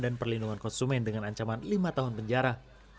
dan perlindungan konsumen dengan ancaman lima tahun penjara